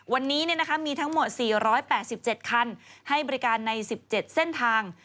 วันนี้มีทั้งหมด๔๘๗คันให้บริการใน๑๗เส้นทาง